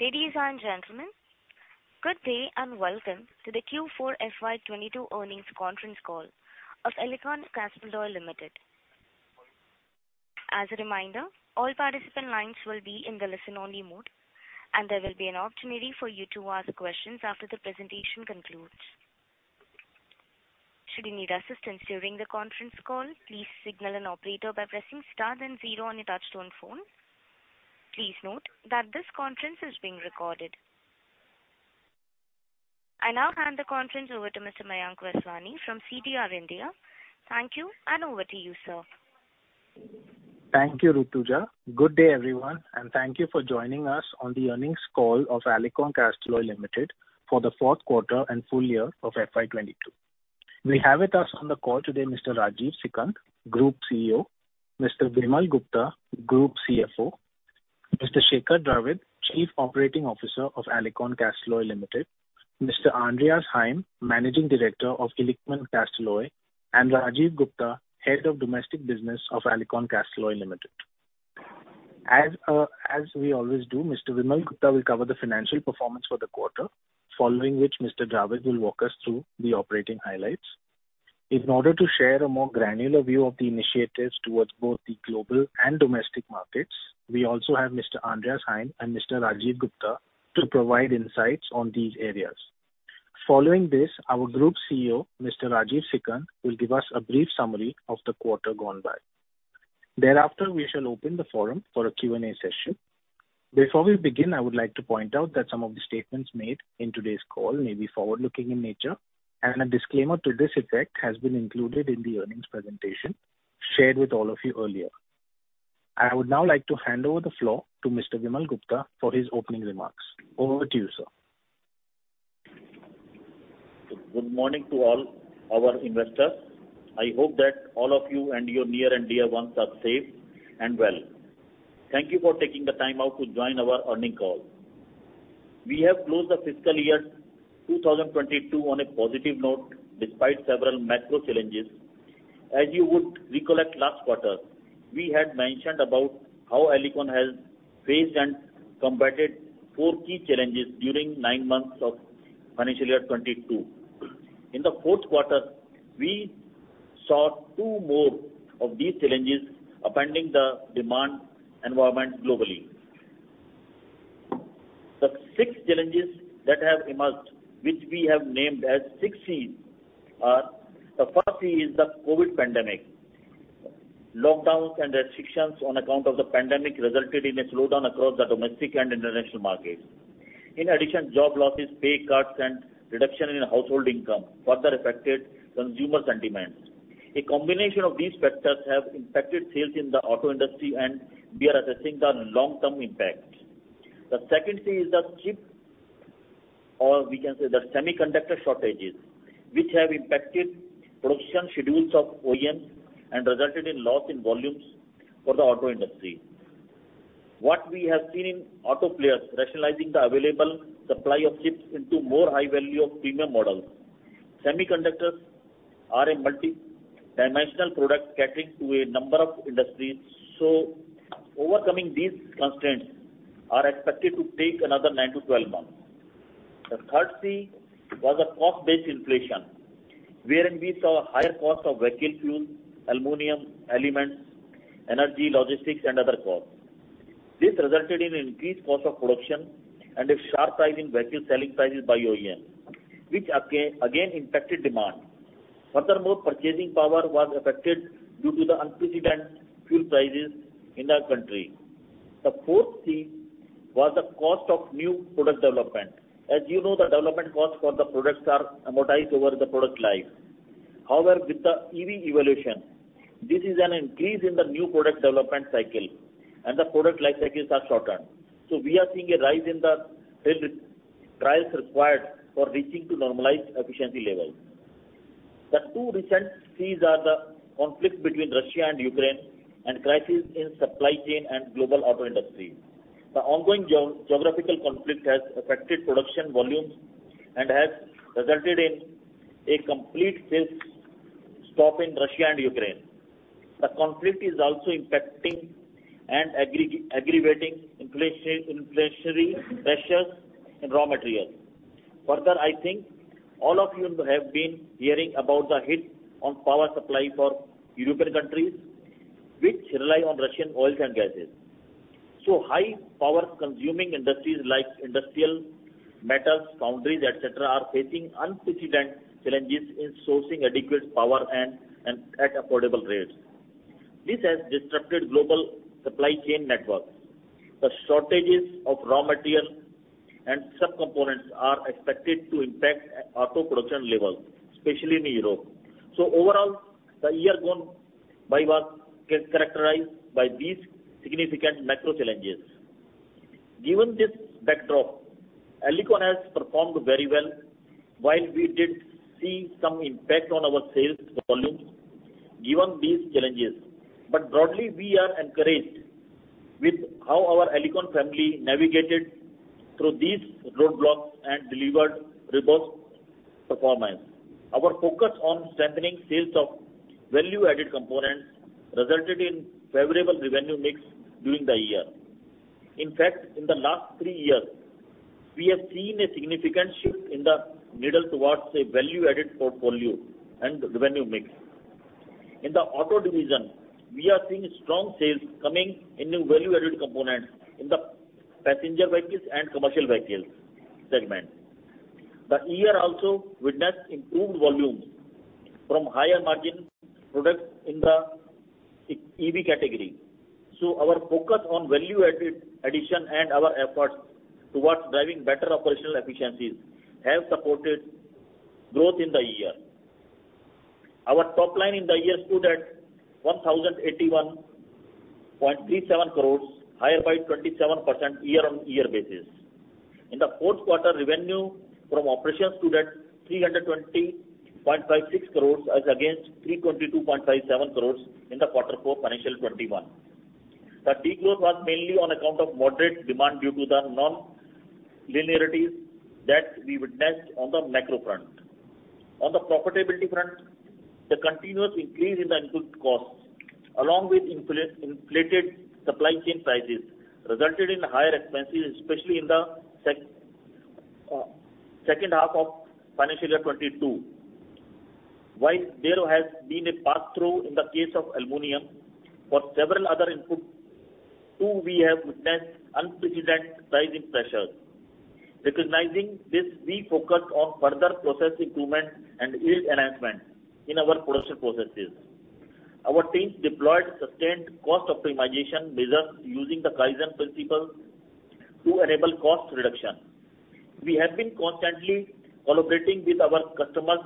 Ladies and gentlemen, good day, and welcome to the Q4 FY 2022 Earnings Conference Call of Alicon Castalloy Limited. As a reminder, all participant lines will be in the listen-only mode, and there will be an opportunity for you to ask questions after the presentation concludes. Should you need assistance during the conference call, please signal an operator by pressing star then zero on your touchtone phone. Please note that this conference is being recorded. I now hand the conference over to Mr. Mayank Vaswani from CDR India. Thank you, and over to you, sir. Thank you, Rutuja. Good day, everyone, and thank you for joining us on the earnings call of Alicon Castalloy Limited for the fourth quarter and full year of FY 2022. We have with us on the call today Mr. Rajeev Sikand, Group CEO, Mr. Vimal Gupta, Group CFO, Mr. Shekhar Dravid, Chief Operating Officer of Alicon Castalloy Limited, Mr. Andreas Heim, Managing Director of Alicon Castalloy, and Rajiv Gupta, Head of Domestic Business of Alicon Castalloy Limited. As we always do, Mr. Vimal Gupta will cover the financial performance for the quarter, following which Mr. Shekhar Dravid will walk us through the operating highlights. In order to share a more granular view of the initiatives towards both the global and domestic markets, we also have Mr. Andreas Heim and Mr. Rajiv Gupta to provide insights on these areas. Following this, our Group CEO, Mr. Rajeev Sikand will give us a brief summary of the quarter gone by. Thereafter, we shall open the forum for a Q&A session. Before we begin, I would like to point out that some of the statements made in today's call may be forward-looking in nature, and a disclaimer to this effect has been included in the earnings presentation shared with all of you earlier. I would now like to hand over the floor to Mr. Vimal Gupta for his opening remarks. Over to you, sir. Good morning to all our investors. I hope that all of you and your near and dear ones are safe and well. Thank you for taking the time out to join our earnings call. We have closed the fiscal year 2022 on a positive note despite several macro challenges. As you would recollect last quarter, we had mentioned about how Alicon has faced and combated four key challenges during nine months of financial year 2022. In the fourth quarter, we saw two more of these challenges upending the demand environment globally. The six challenges that have emerged, which we have named as six C's, are. The first C is the COVID pandemic. Lockdowns and restrictions on account of the pandemic resulted in a slowdown across the domestic and international markets. In addition, job losses, pay cuts, and reduction in household income further affected consumer sentiments. A combination of these factors have impacted sales in the auto industry, and we are assessing the long-term impact. The second C is the Chip, or we can say the semiconductor shortages, which have impacted production schedules of OEMs and resulted in loss in volumes for the auto industry. What we have seen in auto players rationalizing the available supply of chips into more high-value or premium models. Semiconductors are a multidimensional product catering to a number of industries, so overcoming these constraints are expected to take another nine to 12 months. The third C was a Cost-based inflation, wherein we saw higher costs of vehicle fuels, aluminum, elements, energy, logistics, and other costs. This resulted in increased cost of production and a sharp rise in vehicle selling prices by OEM, which again impacted demand. Furthermore, purchasing power was affected due to the unprecedented fuel prices in our country. The fourth C was the Cost of new product development. As you know, the development costs for the products are amortized over the product life. However, with the EV evolution, this is an increase in the new product development cycle, and the product life cycles are shortened. We are seeing a rise in the field trials required for reaching to normalized efficiency levels. The two recent Cs are the Conflict between Russia and Ukraine and Crisis in supply chain and global auto industry. The ongoing geographical conflict has affected production volumes and has resulted in a complete sales stop in Russia and Ukraine. The conflict is also impacting and aggravating inflationary pressures in raw materials. Further, I think all of you have been hearing about the hit on power supply for European countries which rely on Russian oils and gases. High power consuming industries like industrial, metals, foundries, et cetera, are facing unprecedented challenges in sourcing adequate power and at affordable rates. This has disrupted global supply chain networks. The shortages of raw materials and subcomponents are expected to impact auto production levels, especially in Europe. Overall, the year gone by was characterized by these significant macro challenges. Given this backdrop, Alicon has performed very well. While we did see some impact on our sales volumes given these challenges, but broadly, we are encouraged with how our Alicon family navigated through these roadblocks and delivered robust performance. Our focus on strengthening sales of value-added components resulted in favorable revenue mix during the year. In fact, in the last three years, we have seen a significant shift in the needle towards a value-added portfolio and revenue mix. In the auto division, we are seeing strong sales coming in new value-added components in the passenger vehicles and commercial vehicles segment. The year also witnessed improved volumes from higher margin products in the EV category. Our focus on value added- addition and our efforts towards driving better operational efficiencies have supported growth in the year. Our top line in the year stood at 1,081.37 crores, higher by 27% year-on-year basis. In the fourth quarter, revenue from operations stood at 320.56 crores as against 322.57 crores in the quarter four financial 2021. The decline was mainly on account of moderate demand due to the non-linearities that we witnessed on the macro front. On the profitability front, the continuous increase in the input costs, along with inflated supply chain prices, resulted in higher expenses, especially in the second half of financial year 2022. While there has been a pass-through in the case of aluminum, for several other inputs too we have witnessed unprecedented pricing pressures. Recognizing this, we focus on further process improvement and yield enhancement in our production processes. Our teams deployed sustained cost optimization measures using the Kaizen principle to enable cost reduction. We have been constantly collaborating with our customers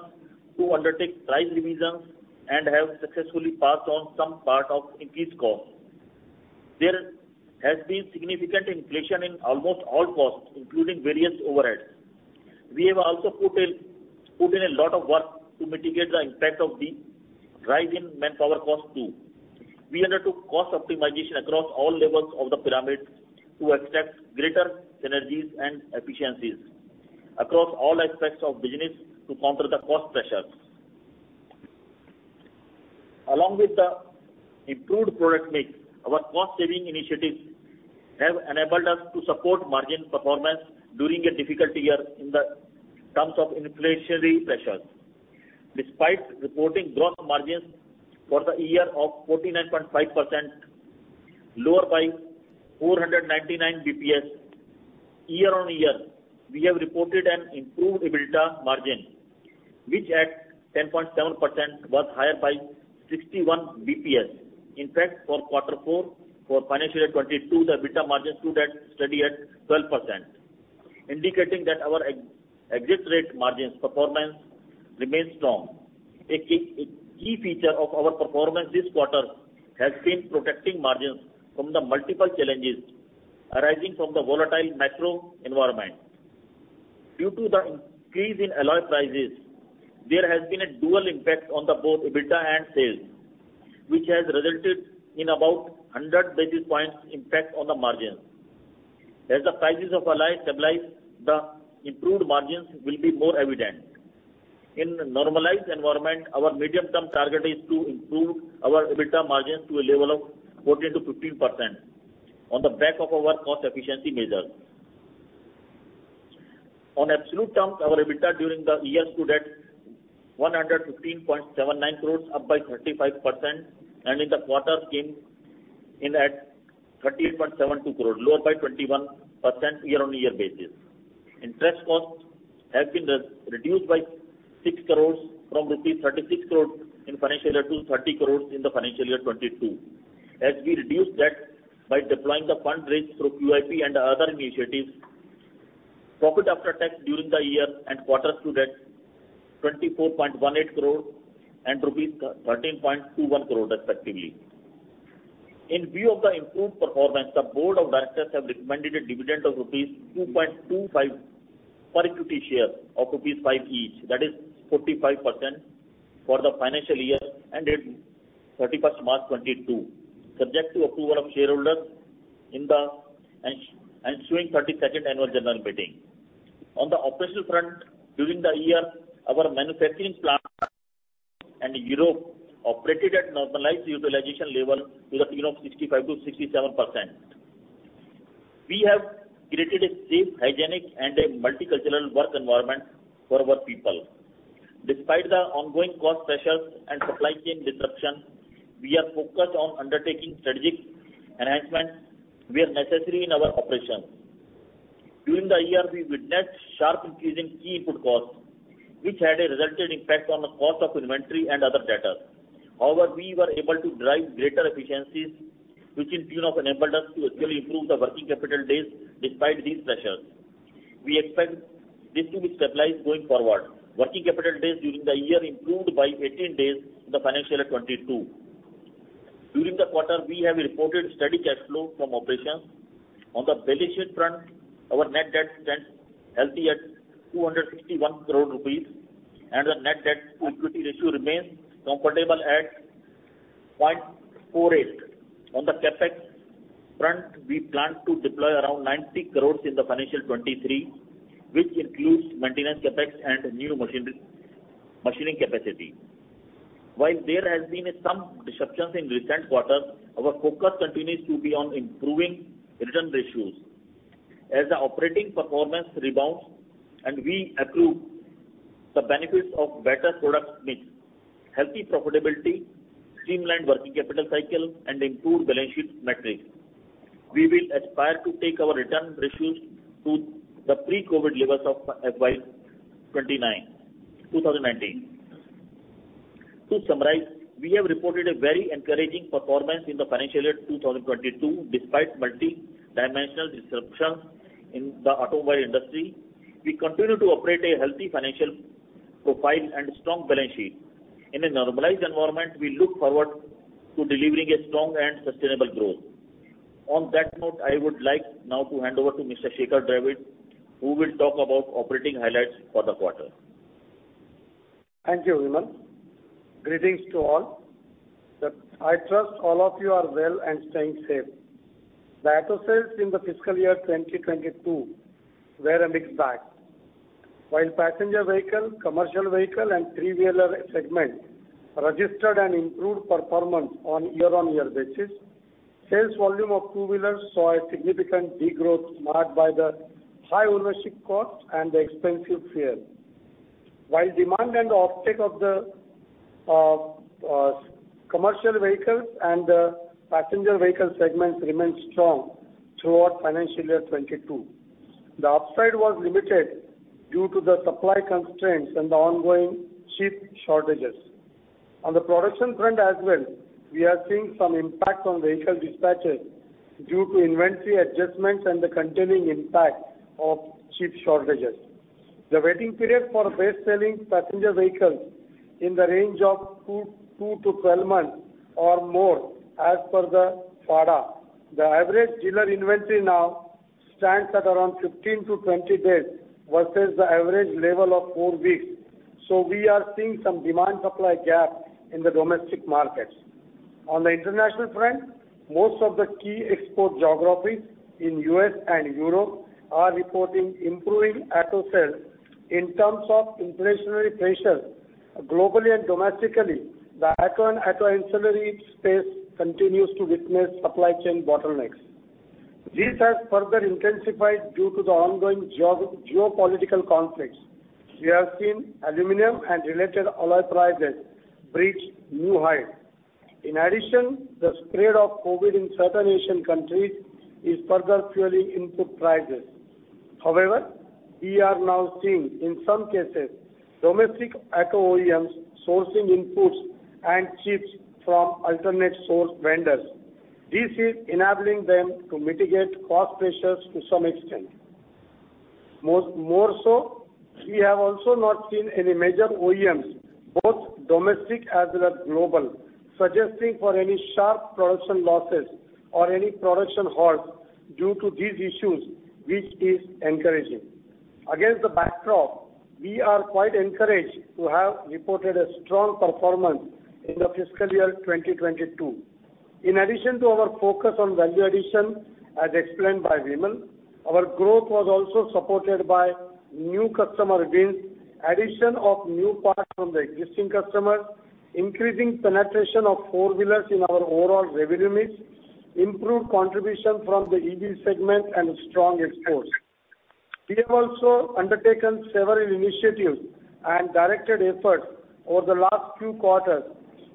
to undertake price revisions and have successfully passed on some part of increased costs. There has been significant inflation in almost all costs, including various overheads. We have also put in a lot of work to mitigate the impact of the rise in manpower costs too. We undertook cost optimization across all levels of the pyramid to extract greater synergies and efficiencies across all aspects of business to counter the cost pressures. Along with the improved product mix, our cost-saving initiatives have enabled us to support margin performance during a difficult year in terms of inflationary pressures. Despite reporting gross margins for the year of 49.5%, lower by 499 bps year-on-year, we have reported an improved EBITDA margin, which at 10.7% was higher by 61 bps. In fact, for quarter four, for financial year 2022, the EBITDA margin stood steady at 12%, indicating that our exit rate margins performance remains strong. A key feature of our performance this quarter has been protecting margins from the multiple challenges arising from the volatile macro environment. Due to the increase in alloy prices, there has been a dual impact on both EBITDA and sales, which has resulted in about 100 basis points impact on the margins. As the prices of alloy stabilize, the improved margins will be more evident. In a normalized environment, our medium-term target is to improve our EBITDA margins to a level of 14%-15% on the back of our cost efficiency measures. On absolute terms, our EBITDA during the year stood at 115.79 crores, up by 35%, and in the quarter came in at 38.72 crore, lower by 21% year-on-year basis. Interest costs have been re-reduced by 6 crores from rupees 36 crore in financial year to 30 crores in the financial year 2022, as we reduced debt by deploying the fund raised through QIP and other initiatives. Profit after tax during the year and quarter stood at 24.18 crore and rupees 13.21 crore respectively. In view of the improved performance, the Board of Directors have recommended a dividend of rupees 2.25 per equity share of rupees 5 each. That is 45% for the financial year ended 31 March 2022, subject to approval of shareholders in the ensuing 32nd Annual General Meeting. On the operational front, during the year, our manufacturing plant in Europe operated at normalized utilization level to the tune of 65%-67%. We have created a safe, hygienic, and a multicultural work environment for our people. Despite the ongoing cost pressures and supply chain disruptions, we are focused on undertaking strategic enhancements where necessary in our operations. During the year, we witnessed sharp increase in key input costs, which had a resultant impact on the cost of inventory and other data. However, we were able to drive greater efficiencies, which in turn have enabled us to actually improve the working capital days despite these pressures. We expect this to be stabilized going forward. Working capital days during the year improved by 18 days in the financial year 2022. During the quarter, we have reported steady cash flow from operations. On the balance sheet front, our net debt stands healthy at 261 crore rupees, and the net debt to equity ratio remains comfortable at 0.48. On the CapEx, we plan to deploy around 90 crore in the financial 2023, which includes maintenance effects and new machinery, machining capacity. While there has been some disruptions in recent quarters, our focus continues to be on improving return ratios. As the operating performance rebounds and we accrue the benefits of better product mix, healthy profitability, streamlined working capital cycle, and improved balance sheet metrics, we will aspire to take our return ratios to the pre-COVID levels of FY 2019. To summarize, we have reported a very encouraging performance in the financial year 2022 despite multidimensional disruptions in the automobile industry. We continue to operate a healthy financial profile and strong balance sheet. In a normalized environment, we look forward to delivering a strong and sustainable growth. On that note, I would like now to hand over to Mr. Shekhar Dravid, who will talk about operating highlights for the quarter. Thank you, Vimal. Greetings to all. I trust all of you are well and staying safe. The auto sales in the fiscal year 2022 were a mixed bag. While passenger vehicle, commercial vehicle, and three-wheeler segment registered an improved performance on year-on-year basis, sales volume of two-wheelers saw a significant degrowth marked by the high ownership costs and the expensive fuel. While demand and offtake of the commercial vehicles and the passenger vehicle segments remained strong throughout financial year 2022, the upside was limited due to the supply constraints and the ongoing chip shortages. On the production front as well, we are seeing some impact on vehicle dispatches due to inventory adjustments and the continuing impact of chip shortages. The waiting period for best-selling passenger vehicles in the range of two to 12 months or more as per the FADA. The average dealer inventory now stands at around 15-20 days versus the average level of four weeks. We are seeing some demand-supply gap in the domestic markets. On the international front, most of the key export geographies in U.S. and Europe are reporting improving auto sales. In terms of inflationary pressures, globally and domestically, the auto and auto ancillary space continues to witness supply chain bottlenecks. This has further intensified due to the ongoing geopolitical conflicts. We have seen aluminum and related alloy prices reach new heights. In addition, the spread of COVID in certain Asian countries is further fueling input prices. However, we are now seeing, in some cases, domestic auto OEMs sourcing inputs and chips from alternate source vendors. This is enabling them to mitigate cost pressures to some extent. More so, we have also not seen any major OEMs, both domestic as well as global, suggesting for any sharp production losses or any production halts due to these issues, which is encouraging. Against the backdrop, we are quite encouraged to have reported a strong performance in the fiscal year 2022. In addition to our focus on value addition, as explained by Vimal, our growth was also supported by new customer wins, addition of new parts from the existing customers, increasing penetration of four-wheelers in our overall revenue mix, improved contribution from the EV segment, and strong exports. We have also undertaken several initiatives and directed efforts over the last few quarters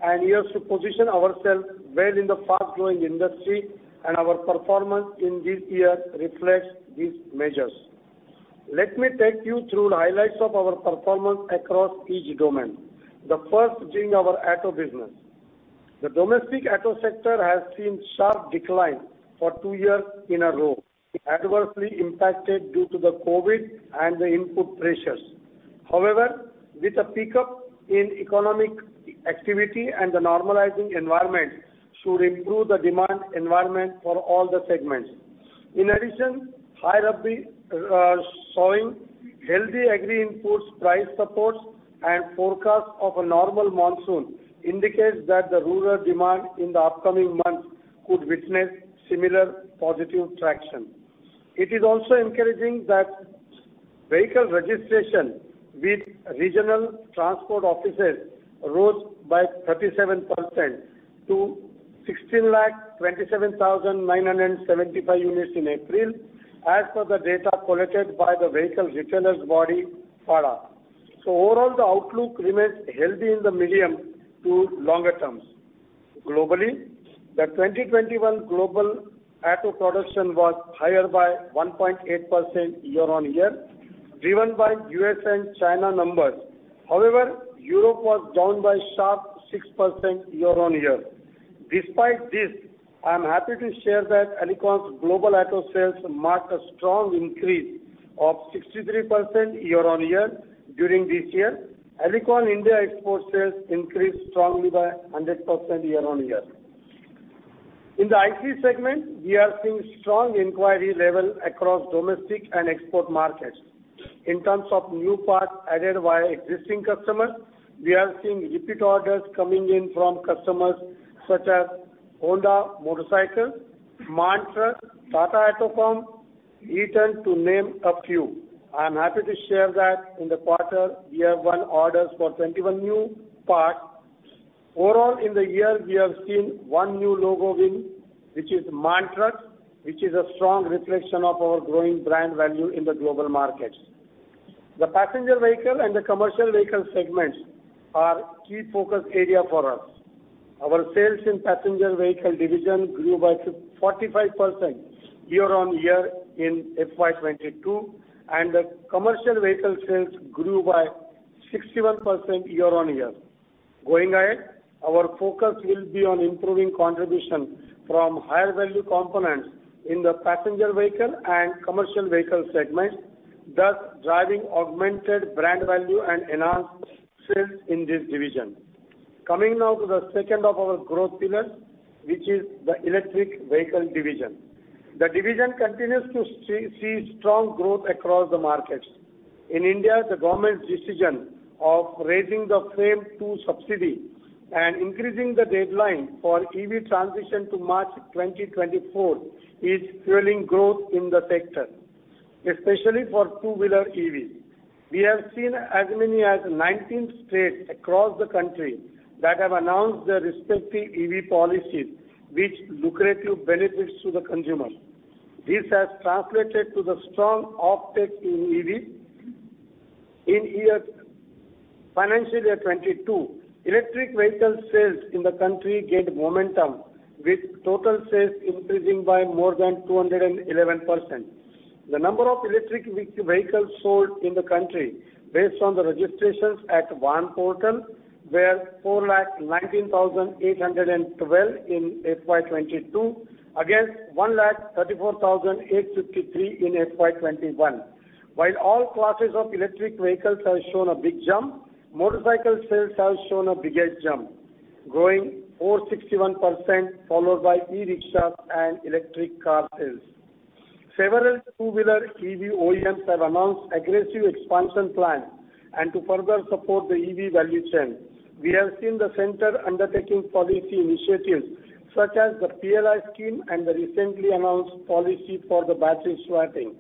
and years to position ourselves well in the fast-growing industry, and our performance in this year reflects these measures. Let me take you through the highlights of our performance across each domain. The first being our auto business. The domestic auto sector has seen sharp decline for two years in a row, adversely impacted due to the COVID and the input pressures. However, with a pickup in economic activity and the normalizing environment should improve the demand environment for all the segments. In addition, high rabi sowing, healthy agri inputs price supports, and forecast of a normal monsoon indicates that the rural demand in the upcoming months could witness similar positive traction. It is also encouraging that vehicle registration with regional transport offices rose by 37% to 1,627,975 units in April as per the data collected by the vehicle retailers body, FADA. Overall, the outlook remains healthy in the medium to longer terms. Globally, the 2021 global auto production was higher by 1.8% year-on-year, driven by U.S. and China numbers. However, Europe was down by sharp 6% year-on-year. Despite this, I am happy to share that Alicon's global auto sales marked a strong increase of 63% year-on-year during this year. Alicon India export sales increased strongly by 100% year-on-year. In the IC segment, we are seeing strong inquiry level across domestic and export markets. In terms of new parts added via existing customers, we are seeing repeat orders coming in from customers such as Honda Motorcycle, MAN Truck, Tata AutoComp, Eaton to name a few. I'm happy to share that in the quarter, we have won orders for 21 new parts. Overall, in the year, we have seen one new logo win, which is MAN Truck, which is a strong reflection of our growing brand value in the global markets. The passenger vehicle and the commercial vehicle segments are key focus area for us. Our sales in passenger vehicle division grew by 45% year-on-year in FY 2022, and the commercial vehicle sales grew by 61% year-on-year. Going ahead, our focus will be on improving contribution from higher value components in the passenger vehicle and commercial vehicle segments, thus driving augmented brand value and enhanced sales in this division. Coming now to the second of our growth pillars, which is the electric vehicle division. The division continues to see strong growth across the markets. In India, the government's decision of raising the FAME II subsidy and increasing the deadline for EV transition to March 2024 is fueling growth in the sector, especially for two-wheeler EV. We have seen as many as 19 states across the country that have announced their respective EV policies with lucrative benefits to the consumers. This has translated to the strong uptake in EV. In financial year 2022, electric vehicle sales in the country gained momentum, with total sales increasing by more than 211%. The number of electric vehicles sold in the country based on the registrations at Vahan portal were 419,812 in FY 2022, against 134,853 in FY 2021. While all classes of electric vehicles have shown a big jump, motorcycle sales have shown the biggest jump, growing 461%, followed by e-rickshaws and electric car sales. Several two-wheeler EV OEMs have announced aggressive expansion plans and to further support the EV value chain. We have seen the center undertaking policy initiatives such as the PLI scheme and the recently announced policy for the battery swapping.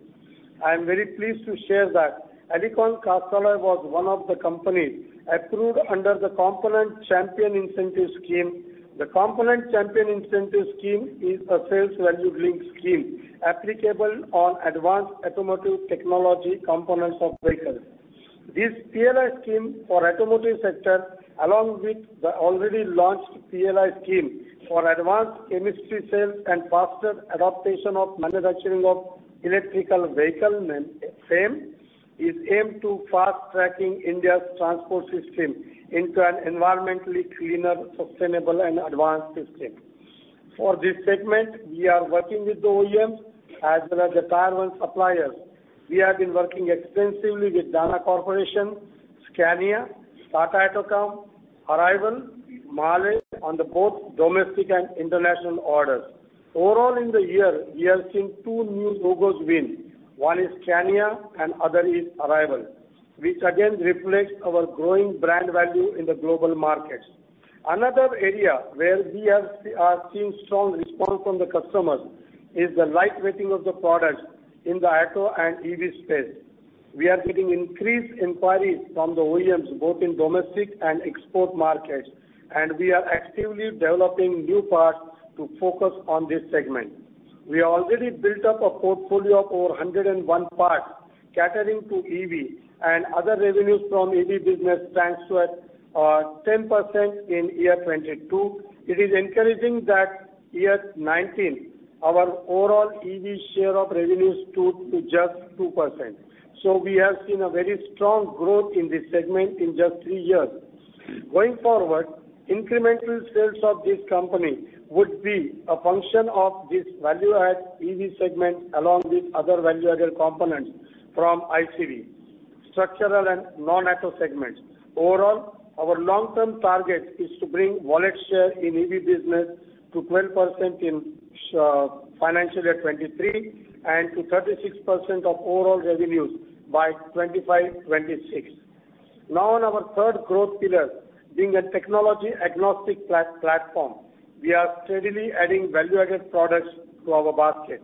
I am very pleased to share that Alicon Castalloy was one of the companies approved under the Component Champion Incentive Scheme. The Component Champion Incentive Scheme is a sales value linked scheme applicable on advanced automotive technology components of vehicles. This PLI scheme for automotive sector, along with the already launched PLI scheme for Advanced Chemistry Cell and Faster Adoption and Manufacturing of Electric Vehicles FAME, is aimed to fast-tracking India's transport system into an environmentally cleaner, sustainable and advanced system. For this segment, we are working with the OEMs as well as the Tier 1 suppliers. We have been working extensively with Dana Incorporated, Scania, Tata AutoComp, Arrival, Mahle on both domestic and international orders. Overall, in the year, we have seen two new logos win. One is Scania and other is Arrival, which again reflects our growing brand value in the global markets. Another area where we are seeing strong response from the customers is the lightweighting of the products in the auto and EV space. We are getting increased inquiries from the OEMs both in domestic and export markets, and we are actively developing new parts to focus on this segment. We already built up a portfolio of over 101 parts catering to EV and other revenues from EV business thanks to 10% in 2022. It is encouraging that in FY 2019, our overall EV share of revenues stood at just 2%. We have seen a very strong growth in this segment in just three years. Going forward, incremental sales of this company would be a function of this value-added EV segment along with other value-added components from ICV, structural and non-auto segments. Overall, our long-term target is to bring wallet share in EV business to 12% in financial year 2023 and to 36% of overall revenues by 2025-2026. Now on our third growth pillar, being a technology agnostic platform, we are steadily adding value-added products to our basket.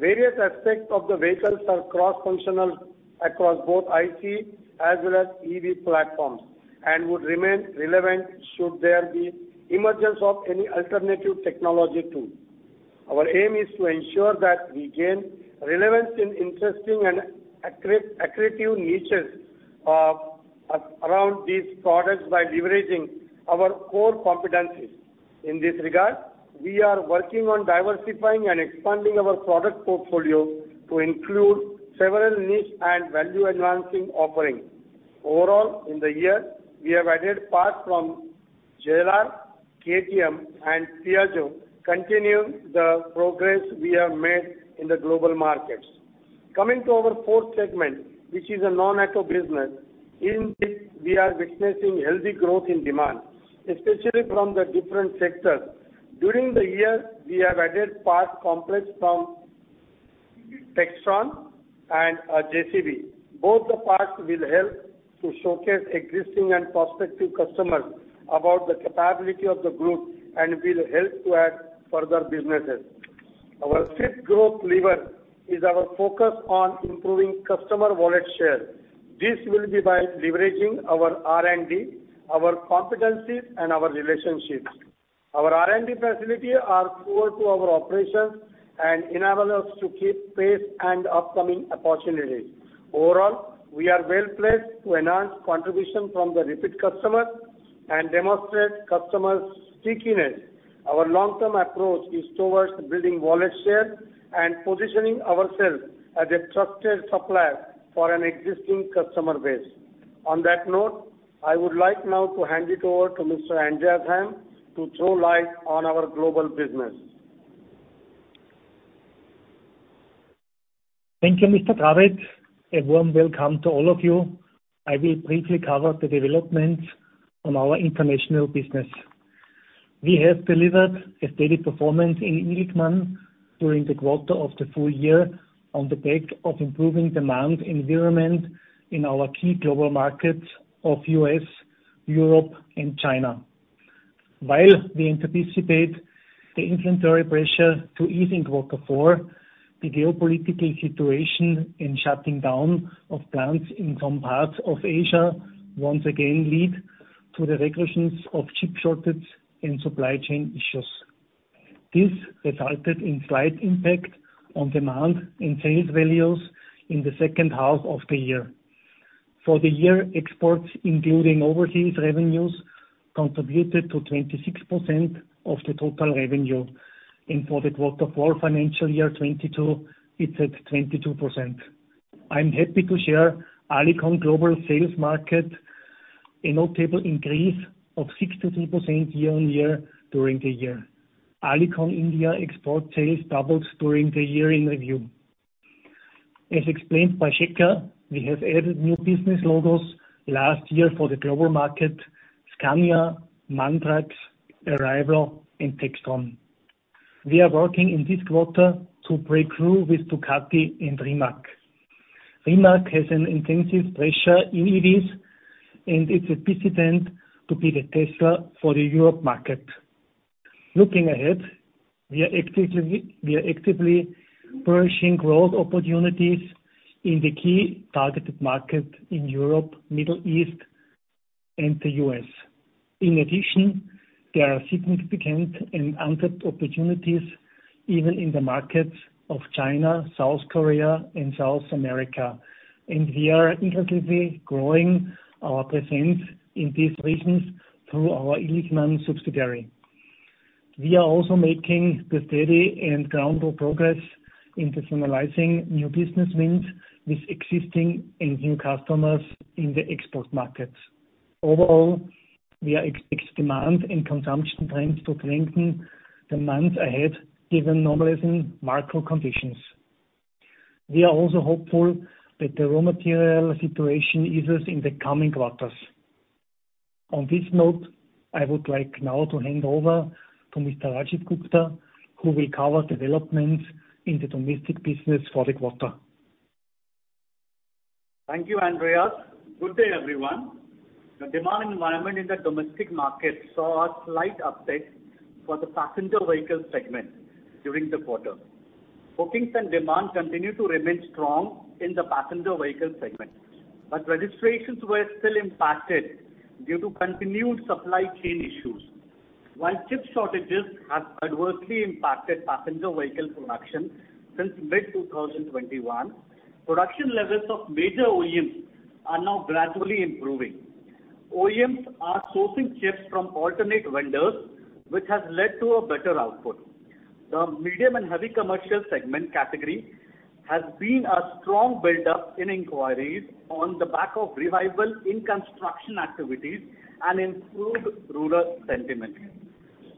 Various aspects of the vehicles are cross-functional across both ICE as well as EV platforms and would remain relevant should there be emergence of any alternative technology too. Our aim is to ensure that we gain relevance in interesting and accretive niches, around these products by leveraging our core competencies. In this regard, we are working on diversifying and expanding our product portfolio to include several niche and value-enhancing offerings. Overall, in the year, we have added parts from JLR, KTM and Piaggio, continuing the progress we have made in the global markets. Coming to our fourth segment, which is a non-auto business. In this, we are witnessing healthy growth in demand, especially from the different sectors. During the year, we have added complex parts from Textron and JCB. Both the parts will help to showcase existing and prospective customers about the capability of the group and will help to add further businesses. Our fifth growth lever is our focus on improving customer wallet share. This will be by leveraging our R&D, our competencies, and our relationships. Our R&D facilities are core to our operations and enable us to keep pace with upcoming opportunities. Overall, we are well-placed to enhance contribution from the repeat customers and demonstrate customer stickiness. Our long-term approach is towards building wallet share and positioning ourselves as a trusted supplier for an existing customer base. On that note, I would like now to hand it over to Mr. Andreas Heim to throw light on our global business. Thank you, Mr. Dravid. A warm welcome to all of you. I will briefly cover the developments on our international business. We have delivered a steady performance in Illichmann during the quarter and the full year on the back of improving demand environment in our key global markets of U.S., Europe and China. While we anticipate the inventory pressure to ease in quarter four, the geopolitical situation and shutting down of plants in some parts of Asia once again lead to the resurgence of chip shortages and supply chain issues. This resulted in slight impact on demand and sales values in the second half of the year. For the year, exports including overseas revenues contributed to 26% of the total revenue. For the quarter four financial year 2022, it's at 22%. I'm happy to share Alicon global sales marked a notable increase of 63% year-on-year during the year. Alicon India export sales doubled during the year in review. As explained by Shekhar, we have added new business logos last year for the global market, Scania, MAN Truck, Arrival, and Textron. We are working in this quarter to break through with Ducati and Rimac. Rimac has an intense presence in EVs, and it's positioned to be the Tesla for the European market. Looking ahead, we are actively pursuing growth opportunities in the key targeted market in Europe, Middle East, and the U.S. In addition, there are significant and untapped opportunities even in the markets of China, South Korea, and South America. We are increasingly growing our presence in these regions through our Illichmann subsidiary. We are also making steady and ground-up progress in pursuing new business wins with existing and new customers in the export markets. Overall, we expect demand and consumption trends to strengthen in the months ahead given normalizing macro conditions. We are also hopeful that the raw material situation eases in the coming quarters. On this note, I would like now to hand over to Mr. Rajiv Gupta, who will cover developments in the domestic business for the quarter. Thank you, Andreas. Good day, everyone. The demand environment in the domestic market saw a slight uptick for the passenger vehicle segment during the quarter. Bookings and demand continued to remain strong in the passenger vehicle segment, but registrations were still impacted due to continued supply chain issues. While chip shortages have adversely impacted passenger vehicle production since mid-2021, production levels of major OEMs are now gradually improving. OEMs are sourcing chips from alternate vendors, which has led to a better output. The medium and heavy commercial segment category has seen a strong buildup in inquiries on the back of revival in construction activities and improved rural sentiment.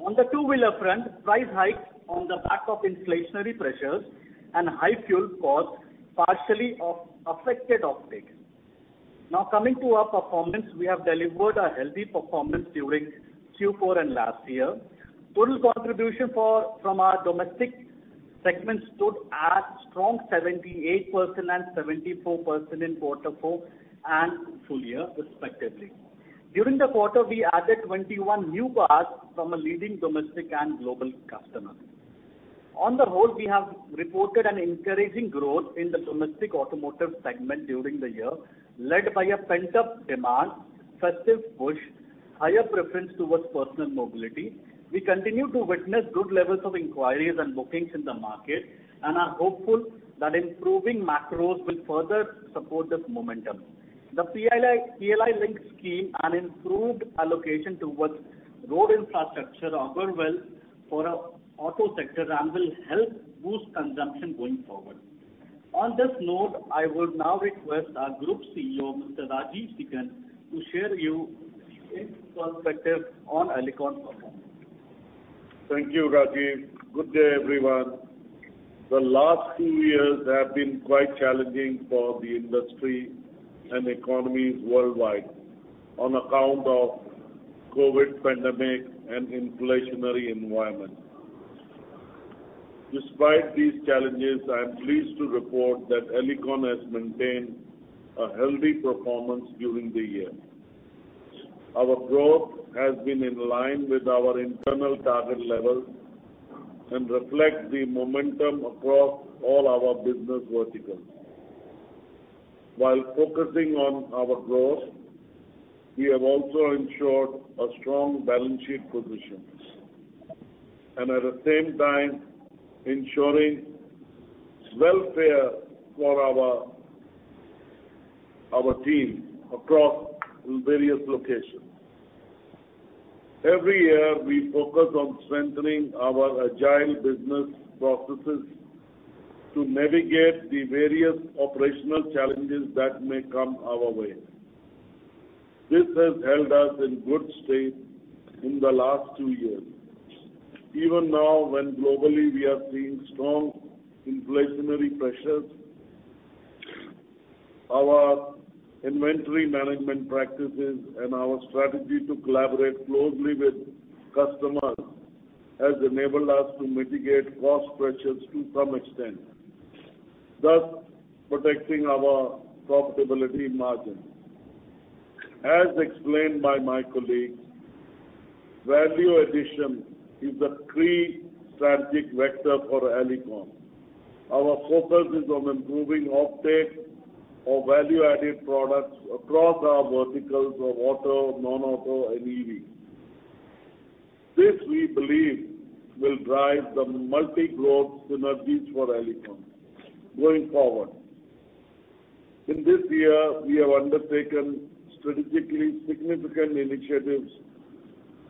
On the two-wheeler front, price hikes on the back of inflationary pressures and high fuel costs partially affected offtake. Now coming to our performance, we have delivered a healthy performance during Q4 and last year. Total contribution from our domestic segment stood at a strong 78% and 74% in quarter four and full year, respectively. During the quarter, we added 21 new cars from a leading domestic and global customer. On the whole, we have reported an encouraging growth in the domestic automotive segment during the year, led by a pent-up demand, festive push, higher preference towards personal mobility. We continue to witness good levels of inquiries and bookings in the market and are hopeful that improving macros will further support this momentum. The PLI-linked scheme and improved allocation towards road infrastructure augur well for our auto sector and will help boost consumption going forward. On this note, I would now request our Group CEO, Mr. Rajeev Sikand, to share with you his perspective on Alicon performance. Thank you, Rajiv. Good day, everyone. The last few years have been quite challenging for the industry and economies worldwide on account of COVID pandemic and inflationary environment. Despite these challenges, I am pleased to report that Alicon has maintained a healthy performance during the year. Our growth has been in line with our internal target levels and reflects the momentum across all our business verticals. While focusing on our growth, we have also ensured a strong balance sheet positions. At the same time ensuring welfare for our team across various locations. Every year, we focus on strengthening our agile business processes to navigate the various operational challenges that may come our way. This has held us in good stead in the last two years. Even now, when globally we are seeing strong inflationary pressures, our inventory management practices and our strategy to collaborate closely with customers has enabled us to mitigate cost pressures to some extent, thus protecting our profitability margins. As explained by my colleagues, value addition is a key strategic vector for Alicon. Our focus is on improving offtake of value-added products across our verticals of auto, non-auto and EV. This, we believe, will drive the multiple growth synergies for Alicon going forward. In this year, we have undertaken strategically significant initiatives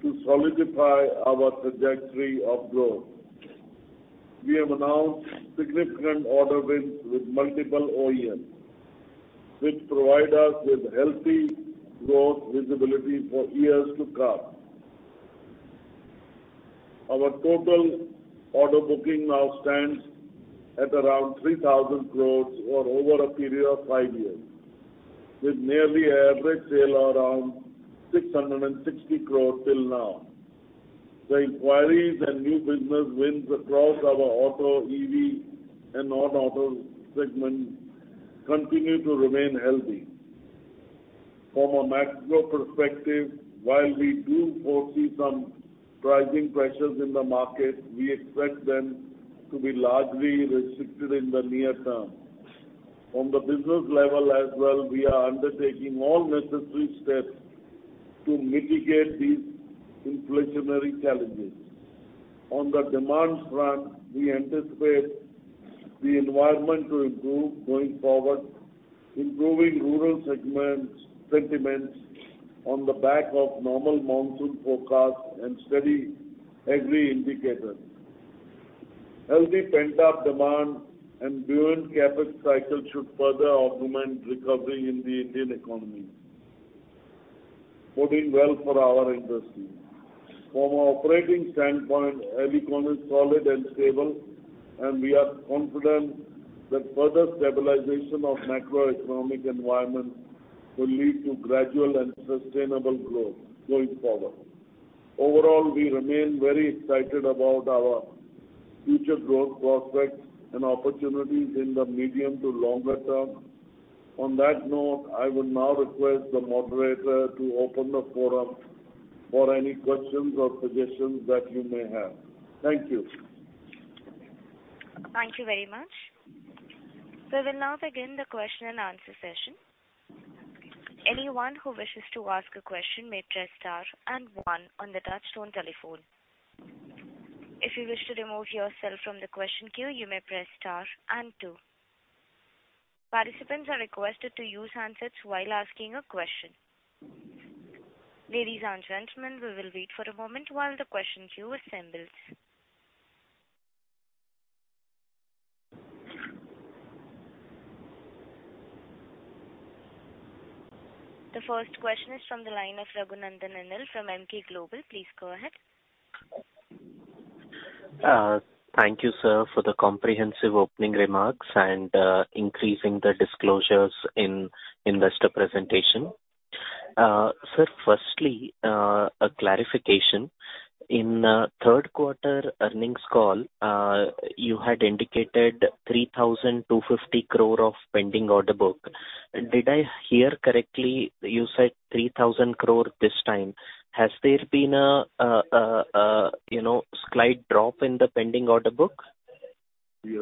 to solidify our trajectory of growth. We have announced significant order wins with multiple OEMs, which provide us with healthy growth visibility for years to come. Our total order booking now stands at around 3,000 crore over a period of five years, with nearly average sale around 660 crore till now. The inquiries and new business wins across our auto, EV and non-auto segments continue to remain healthy. From a macro perspective, while we do foresee some pricing pressures in the market, we expect them to be largely restricted in the near term. On the business level as well, we are undertaking all necessary steps to mitigate these inflationary challenges. On the demand front, we anticipate the environment to improve going forward, improving rural segments, sentiments on the back of normal monsoon forecast and steady agri indicators. Healthy pent-up demand and buoyant CapEx cycle should further augment recovery in the Indian economy, boding well for our industry. From operating standpoint, Alicon is solid and stable, and we are confident that further stabilization of macroeconomic environment will lead to gradual and sustainable growth going forward. Overall, we remain very excited about our future growth prospects and opportunities in the medium to longer term. On that note, I will now request the moderator to open the forum for any questions or suggestions that you may have. Thank you. Thank you very much. We will now begin the question and answer session. Anyone who wishes to ask a question may press star and one on the touchtone telephone. If you wish to remove yourself from the question queue, you may press star and two. Participants are requested to use handsets while asking a question. Ladies and gentlemen, we will wait for a moment while the question queue assembles. The first question is from the line of Raghunandan N.L. from Emkay Global. Please go ahead. Thank you, sir, for the comprehensive opening remarks and increasing the disclosures in investor presentation. Sir, firstly, a clarification. In third quarter earnings call, you had indicated 3,250 crore of pending order book. Did I hear correctly? You said 3,000 crore this time. Has there been a, you know, slight drop in the pending order book? Yeah.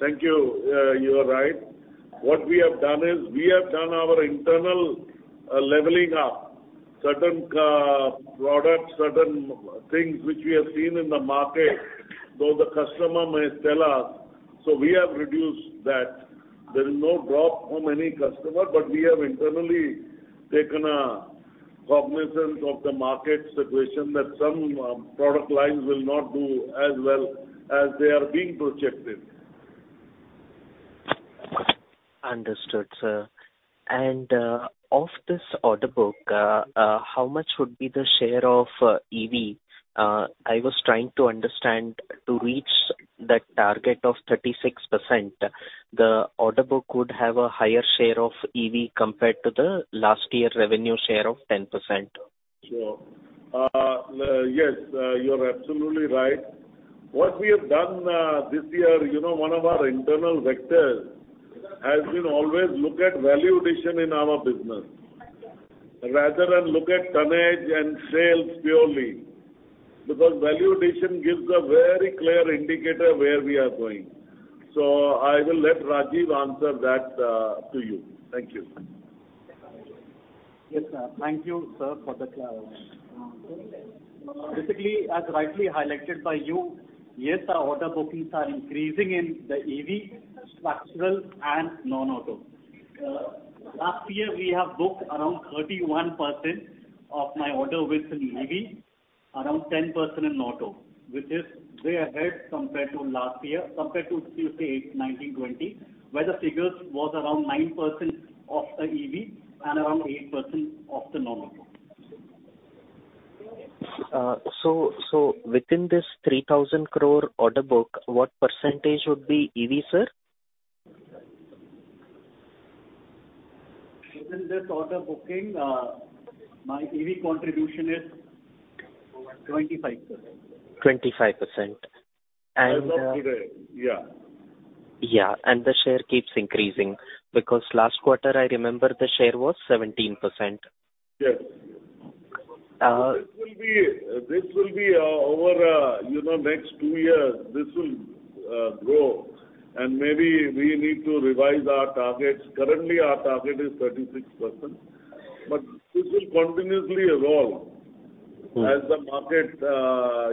Thank you. You are right. What we have done is we have done our internal leveling up certain products, certain things which we have seen in the market, though the customer may tell us. We have reduced that. There is no drop from any customer, but we have internally taken a cognizance of the market situation that some product lines will not do as well as they are being projected. Understood, sir. Of this order book, how much would be the share of EV? I was trying to understand to reach the target of 36%, the order book could have a higher share of EV compared to the last year revenue share of 10%. Sure. Yes, you're absolutely right. What we have done this year, you know, one of our internal vectors has been always look at value addition in our business rather than look at tonnage and sales purely, because value addition gives a very clear indicator where we are going. I will let Rajiv answer that to you. Thank you. Yes, sir. Thank you, sir, for the clarity. Basically, as rightly highlighted by you, yes, our order bookings are increasing in the EV, structural and non-auto. Last year we have booked around 31% of my order with an EV, around 10% in auto, which is way ahead compared to last year, compared to say 2019, 2020, where the figures was around 9% of the EV and around 8% of the normal book. Within this 3,000 crore order book, what percentage would be EV, sir? Within this order booking, my EV contribution is 25%. 25%. Around there. Yeah. Yeah. The share keeps increasing because last quarter I remember the share was 17%. Yes. This will be over, you know, next two years, this will grow, and maybe we need to revise our targets. Currently, our target is 36%, but this will continuously evolve as the market,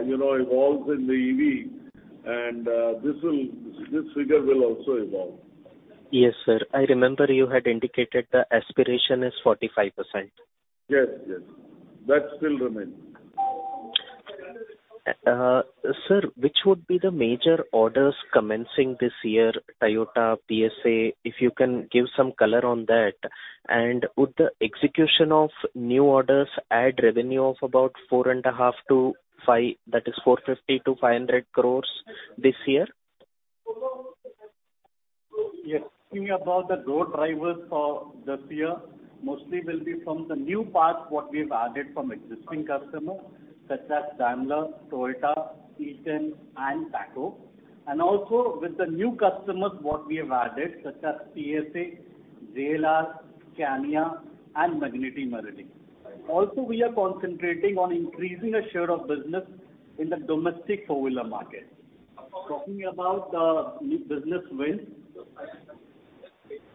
you know, evolves in the EV and this figure will also evolve. Yes, sir. I remember you had indicated the aspiration is 45%. Yes, yes. That still remains. Sir, which would be the major orders commencing this year, Toyota, PSA, if you can give some color on that? Would the execution of new orders add revenue of about 4.5% to 5%, that is 450 crores-500 crores this year? Yes. Talking about the growth drivers for this year, mostly will be from the new parts what we have added from existing customers such as Daimler, Toyota, Eaton and TACO, and also with the new customers what we have added, such as PSA Group, JLR, Scania and Magneti Marelli. We are concentrating on increasing the share of business in the domestic four-wheeler market. Talking about the new business wins,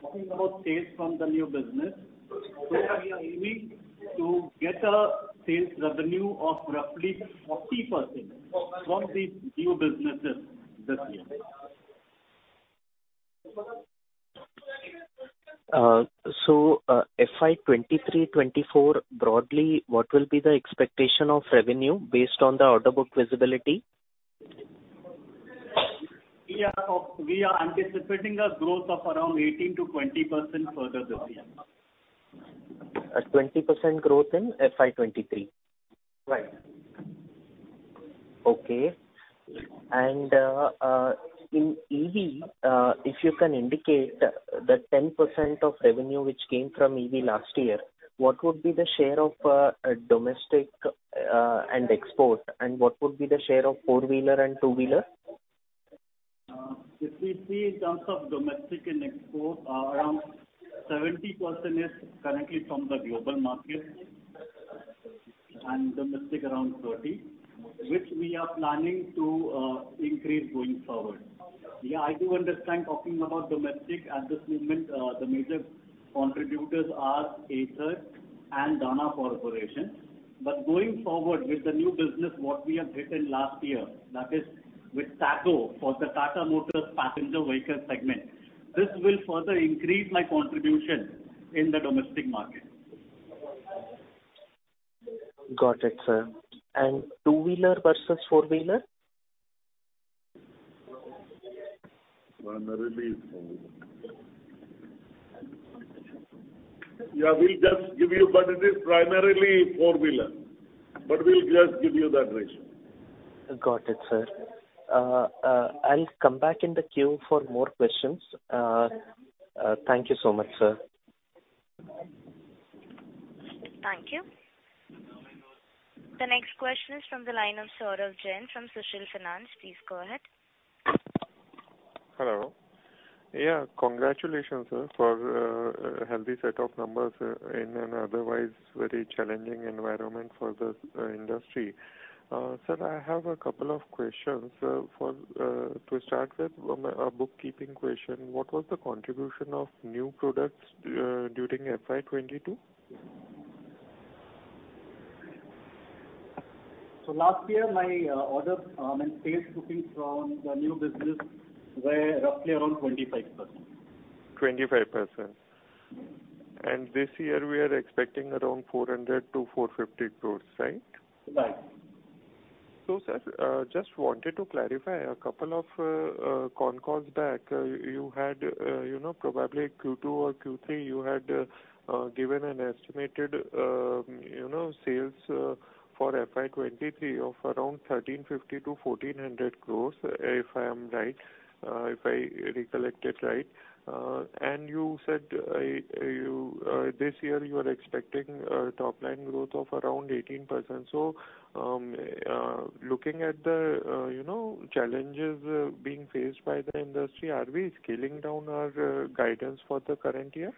talking about sales from the new business, so we are aiming to get a sales revenue of roughly 40% from these new businesses this year. FY 2023-2024, broadly, what will be the expectation of revenue based on the order book visibility? We are anticipating a growth of around 18%-20% further this year. A 20% growth in FY 2023. Right. In EV, if you can indicate the 10% of revenue which came from EV last year, what would be the share of domestic and export, and what would be the share of four-wheeler and two-wheeler? If we see in terms of domestic and export, around 70% is currently from the global market and domestic around 30%, which we are planning to increase going forward. Yeah, I do understand talking about domestic at this moment, the major contributors are Ather and Dana Incorporated. Going forward with the new business, what we have get in last year, that is with TACO for the Tata Motors passenger vehicle segment, this will further increase my contribution in the domestic market. Got it, sir. Two-wheeler versus four-wheeler. Primarily four-wheeler. Yeah, we'll just give you, but it is primarily four-wheeler. We'll just give you that ratio. Got it, sir. I'll come back in the queue for more questions. Thank you so much, sir. Thank you. The next question is from the line of Saurabh Jain from Sushil Finance. Please go ahead. Hello. Yeah, congratulations, sir, for a healthy set of numbers in an otherwise very challenging environment for this industry. Sir, I have a couple of questions. To start with, a bookkeeping question. What was the contribution of new products during FY 2022? Last year, my orders and sales booking from the new business were roughly around 25%. 25%. This year we are expecting around 400 crores-450 crores, right? Right. Sir, just wanted to clarify a couple of, you know, probably Q2 or Q3, you had given an estimated, you know, sales for FY 2023 of around 1,350 crores-1,400 crores, if I am right, if I recollect it right. You said this year you are expecting top line growth of around 18%. Looking at the, you know, challenges being faced by the industry, are we scaling down our guidance for the current year?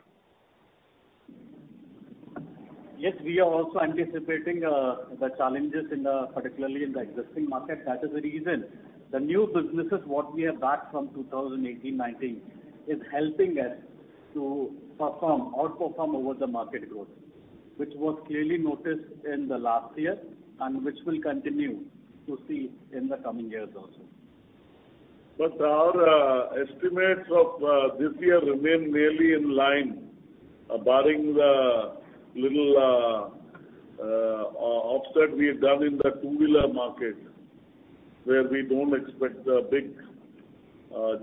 Yes, we are also anticipating the challenges, particularly in the existing market. That is the reason the new businesses, what we have got from 2018-2019, is helping us to outperform over the market growth, which was clearly noticed in the last year and which we'll continue to see in the coming years also. Our estimates of this year remain really in line, barring the little offset we have done in the two-wheeler market, where we don't expect a big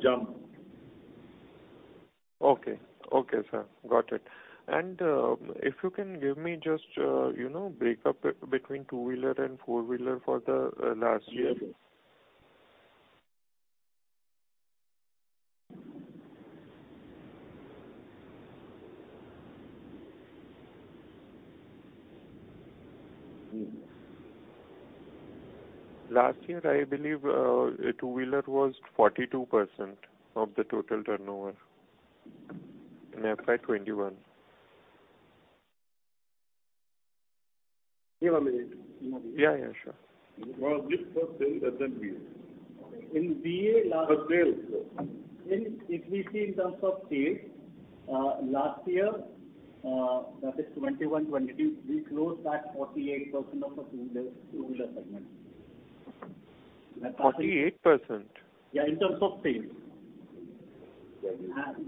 jump. Okay, sir. Got it. If you can give me just, you know, break up between two-wheeler and four-wheeler for the last year? Last year, I believe, a two-wheeler was 42% of the total turnover in FY 2021. Give me a minute. Yeah, yeah, sure. Well, this was sales as in VA. In VA, last The sales, sir. If we see in terms of sales, last year, that is 2021-2022, we closed at 48% of the two-wheeler segment. 48%? Yeah in terms of sales.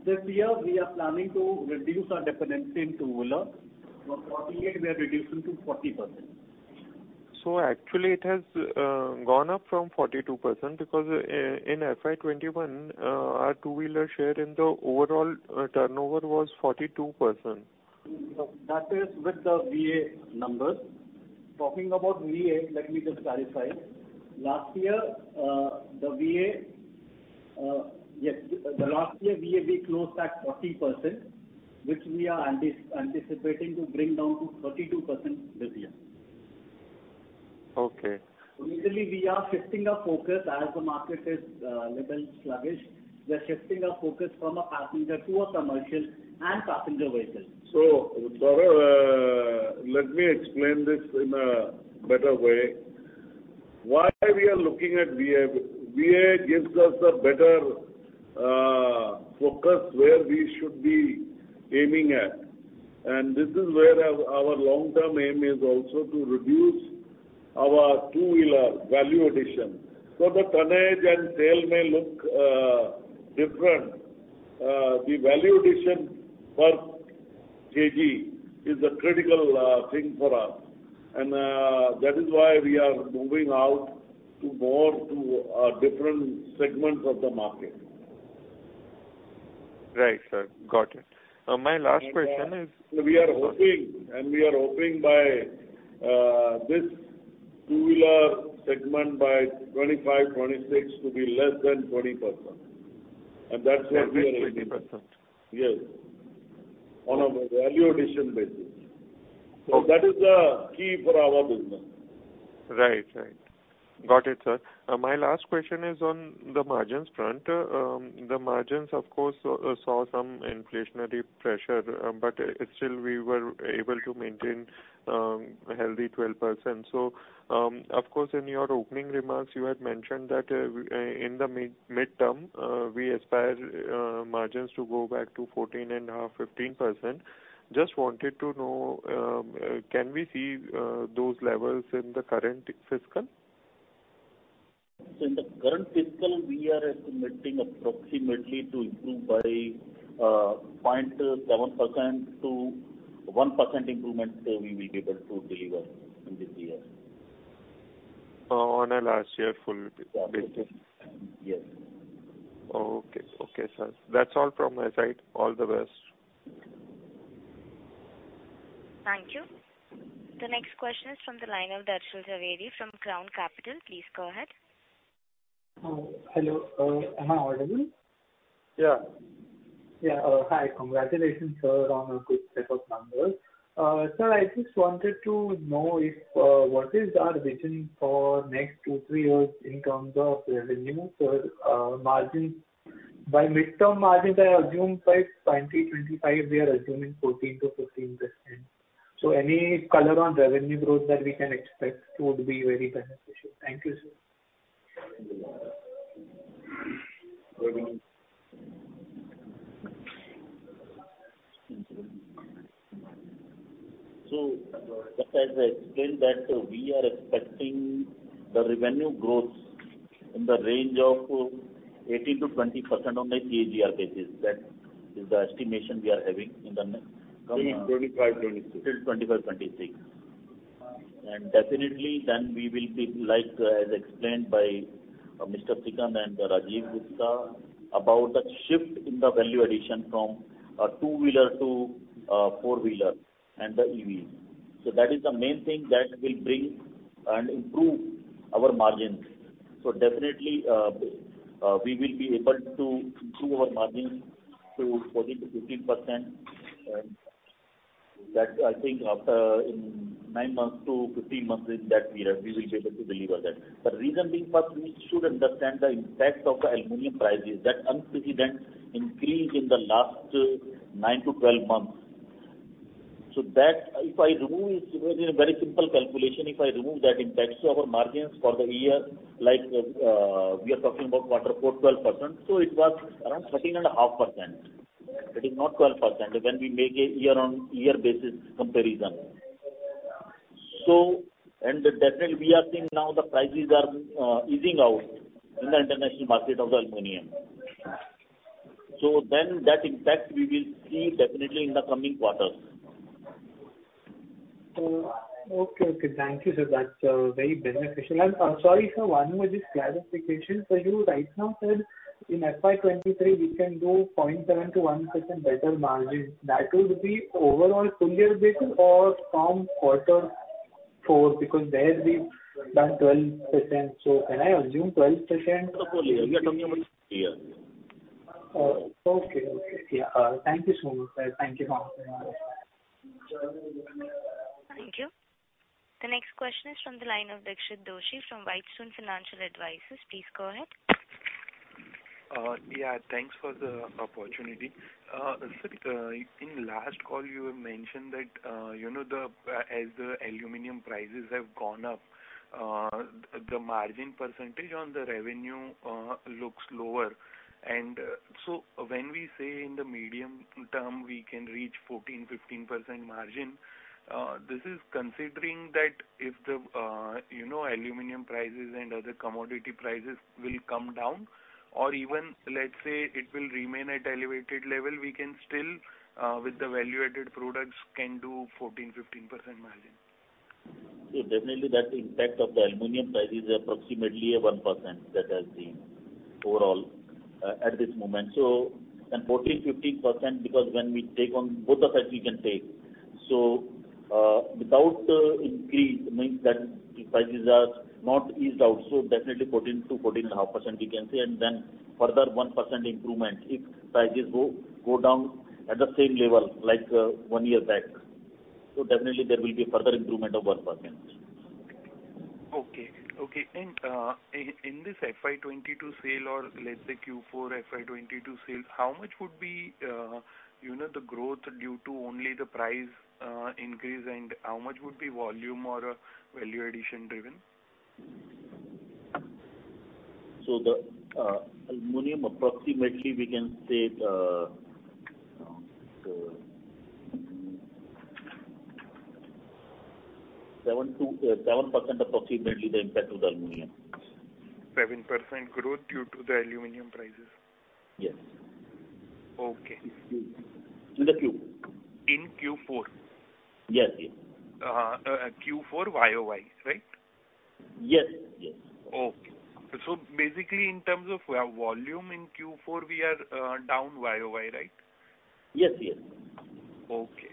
This year we are planning to reduce our dependency in two-wheeler. From 48% we are reducing to 40%. Actually it has gone up from 42% because in FY 2021, our two-wheeler share in the overall turnover was 42%. No, that is with the VA numbers. Talking about VA, let me just clarify. Last year, the VA, we closed at 40%, which we are anticipating to bring down to 32% this year. Okay. Usually we are shifting our focus as the market is a little sluggish. We are shifting our focus from a passenger vehicle to a commercial vehicle. Saurabh, let me explain this in a better way. Why we are looking at VA. VA gives us a better focus where we should be aiming at. This is where our long term aim is also to reduce our two-wheeler value addition. The tonnage and sale may look different. The value addition per kg is a critical thing for us. That is why we are moving out to more to different segments of the market. Right, sir. Got it. My last question is. We are hoping by this two-wheeler segment by 2025-2026 to be less than 20%. That's what we are aiming at. Less than 20%. Yes. On a value addition basis. Okay. That is the key for our business. Right. Got it, sir. My last question is on the margins front. The margins of course saw some inflationary pressure, but still we were able to maintain a healthy 12%. Of course, in your opening remarks you had mentioned that in the midterm we aspire margins to go back to 14.5%-15%. Just wanted to know, can we see those levels in the current fiscal? In the current fiscal, we are estimating approximately to improve by 0.7%-1% improvement. We will be able to deliver in this year. On a last year full basis. Yes. Okay. Okay, sir. That's all from my side. All the best. Thank you. The next question is from the line of Darshil Jhaveri from Crown Capital. Please go ahead. Hello. Am I audible? Yeah. Yeah. Hi. Congratulations, sir, on a good set of numbers. Sir, I just wanted to know if what is our vision for next two to three years in terms of revenue? Sir, margin, by midterm margins, I assume by 2025 we are assuming 14%-15%. Any color on revenue growth that we can expect would be very beneficial. Thank you, sir. Just as I explained that we are expecting the revenue growth in the range of 18%-20% on a CAGR basis. That is the estimation we are having in the coming Till 2025, 2026. Till 2025, 2026. Definitely then we will be like, as explained by Mr. Rajeev Sikand and Rajiv Gupta about the shift in the value addition from a two-wheeler to a four-wheeler and the EV. That is the main thing that will bring and improve our margins. Definitely, we will be able to improve our margins to 14%-15%. That I think after in nine months to 15 months is that we will be able to deliver that. The reason being, we should understand the impact of the aluminum prices the unprecedented increase in the last nine to 12 months. That if I remove it, in a very simple calculation, if I remove that impact to our margins for the year, like, we are talking about quarter four, 12%. It was around 13.5%. It is not 12% when we make a year-on-year basis comparison. Definitely we are seeing now the prices are easing out in the international market of the aluminum. That impact we will see definitely in the coming quarters. Okay, okay. Thank you, sir. That's very beneficial. Sorry, sir, one more just clarification. You right now said in FY 2023 we can do 0.7%-1% better margins. That would be overall full year basis or from quarter four, because there we've done 12%. Can I assume 12%- For full year. We are talking about full year. Oh, okay. Yeah. Thank you so much, sir. Thank you for answering my questions. Thank you. The next question is from the line of Dixit Doshi from Whitestone Financial Advisors. Please go ahead. Yeah, thanks for the opportunity. Sir, in last call you mentioned that, you know, as the aluminum prices have gone up, the margin percentage on the revenue looks lower. When we say in the medium term we can reach 14%-15% margin, this is considering that if, you know, aluminum prices and other commodity prices will come down or even, let's say, it will remain at elevated level, we can still, with the value-added products can do 14%-15% margin. Definitely that impact of the aluminum prices are approximately 1% that has been overall at this moment. 14%, 15% because when we take on both of it, we can take. Without increase means that the prices are not eased out. Definitely 14%-14.5% we can say and then further 1% improvement if prices go down at the same level like one year back. Definitely there will be a further improvement of 1%. Okay, in this FY 2022 sale or let's say Q4 FY 2022 sale, how much would be, you know, the growth due to only the price increase and how much would be volume or value addition driven? The aluminum approximately we can say 7% approximately the impact of the aluminum. 7% growth due to the aluminum prices. Yes. Okay. In the Q. In Q4. Yes. Yes. Q4 YoY, right? Yes. Yes. Okay. Basically in terms of volume in Q4 we are down YoY, right? Yes. Yes. Okay.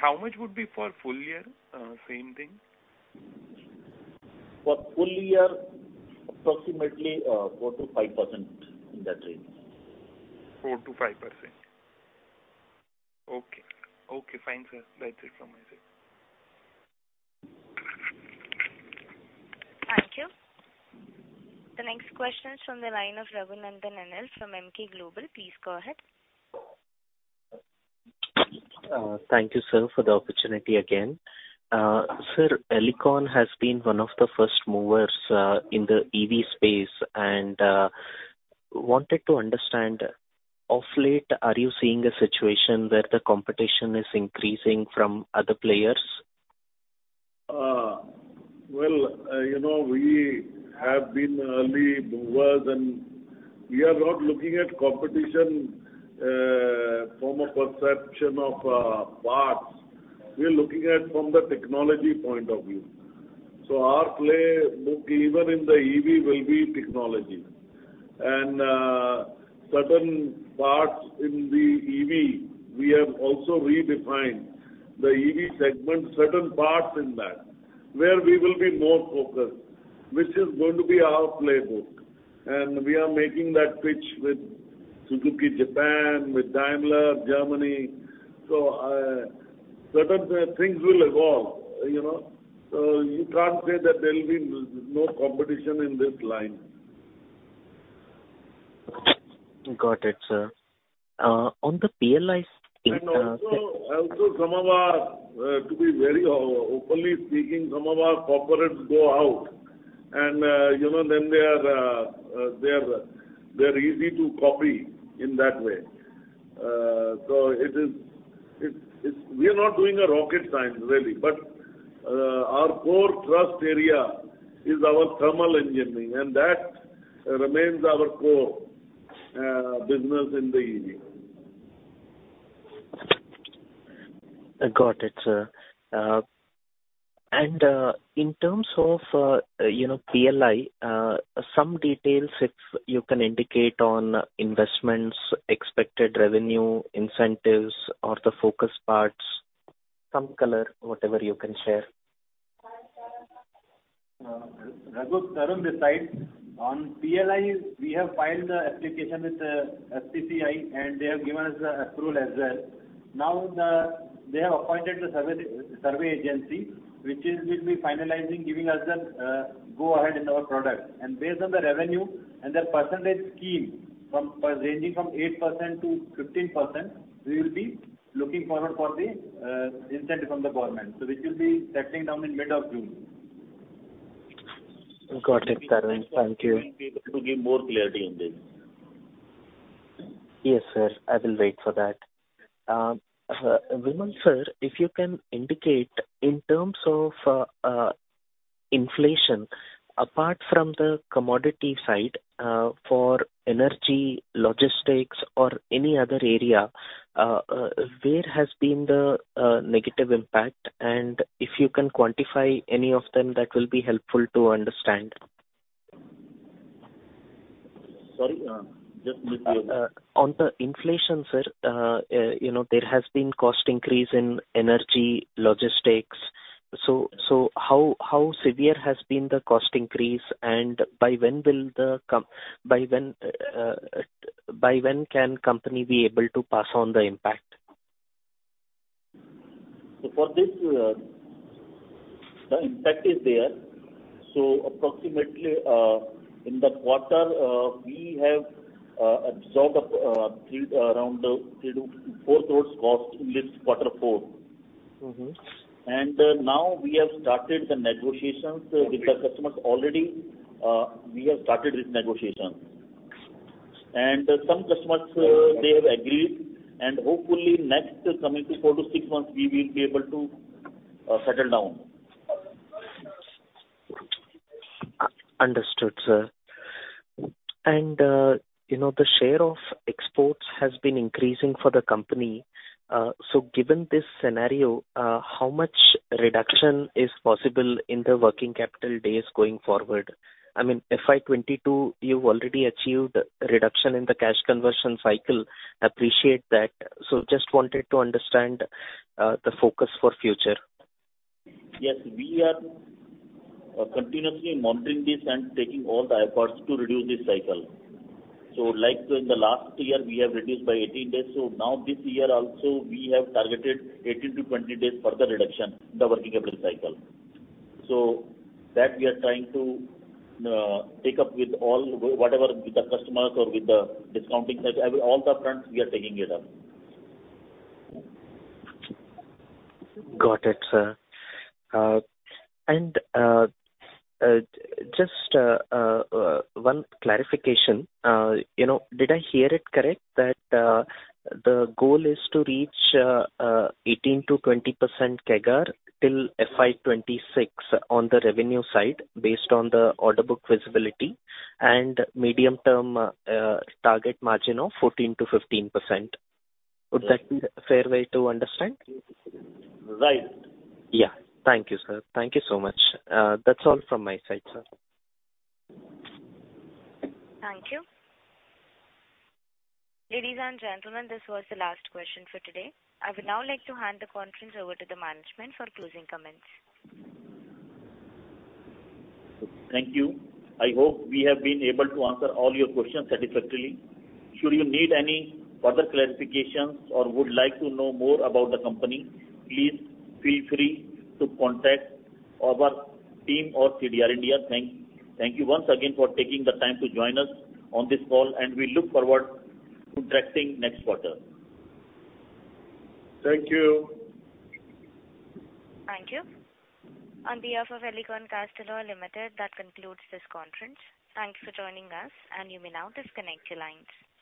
How much would be for full year, same thing? For full year, approximately, 4%-5% in that range. 4%-5%. Okay. Okay, fine, sir. That's it from my side. Thank you. The next question is from the line of Raghunandhan N.L. from Emkay Global. Please go ahead. Thank you, sir, for the opportunity again. Sir, Alicon has been one of the first movers in the EV space and wanted to understand of late are you seeing a situation where the competition is increasing from other players? Well, you know, we have been early movers and we are not looking at competition from a perception of parts. We are looking at from the technology point of view. Our play even in the EV will be technology and certain parts in the EV we have also redefined the EV segment, certain parts in that where we will be more focused, which is going to be our playbook. We are making that pitch with Suzuki Japan, with Daimler Germany. Certain things will evolve, you know. You can't say that there will be no competition in this line. Got it, sir. On the PLI scheme. Also, to be very openly speaking, some of our corporates go out and, you know, then they are easy to copy in that way. It is we are not doing rocket science really, but our core thrust area is our thermal engineering, and that remains our core business in the EV. I got it, sir. In terms of, you know, PLI, some details if you can indicate on investments, expected revenue, incentives or the focus parts, some color, whatever you can share. Raghu, Tarun this side. On PLI, we have filed the application with IFCI, and they have given us the approval as well. They have appointed a survey agency, which will be finalizing giving us the go-ahead in our product. Based on the revenue and the percentage scheme ranging from 8%-15%, we will be looking forward for the incentive from the government. Which will be settling down in mid of June. Got it, Tarun. Thank you. We will be able to give more clarity on this. Yes, sir, I will wait for that. Vimal sir, if you can indicate in terms of inflation, apart from the commodity side, for energy, logistics or any other area, where has been the negative impact? If you can quantify any of them that will be helpful to understand. Sorry? Just repeat. On the inflation, sir, you know, there has been cost increase in energy, logistics. How severe has been the cost increase and by when can company be able to pass on the impact? For this, the impact is there. Approximately, in the quarter, we have absorbed around 3 crores-4 crores cost in this quarter four. Now we have started the negotiations with the customers already. We have started with negotiations. Some customers, they have agreed. Hopefully next coming four to six months we will be able to settle down. Understood, sir. The share of exports has been increasing for the company. Given this scenario, how much reduction is possible in the working capital days going forward? I mean, FY 2022, you've already achieved reduction in the cash conversion cycle. Appreciate that. Just wanted to understand the focus for future. Yes. We are continuously monitoring this and taking all the efforts to reduce this cycle. Like in the last year we have reduced by 18 days. Now this year also we have targeted 18-20 days further reduction in the working capital cycle. That we are trying to take up with all, whatever with the customers or with the discounting side. Every, all the fronts we are taking it up. Got it, sir. Just one clarification. You know, did I hear it correct that the goal is to reach 18%-20% CAGR till FY 2026 on the revenue side based on the order book visibility and medium-term target margin of 14%-15%? Would that be a fair way to understand? Right. Yeah. Thank you, sir. Thank you so much. That's all from my side, sir. Thank you. Ladies and gentlemen, this was the last question for today. I would now like to hand the conference over to the management for closing comments. Thank you. I hope we have been able to answer all your questions satisfactorily. Should you need any further clarifications or would like to know more about the company, please feel free to contact our team or CDR India. Thank you once again for taking the time to join us on this call, and we look forward to interacting next quarter. Thank you. Thank you. On behalf of Alicon Castalloy Limited, that concludes this conference. Thanks for joining us, and you may now disconnect your lines.